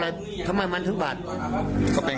เราทำไปเพื่ออะไร๖โรงเรียน